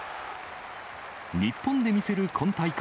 日本で見せる今大会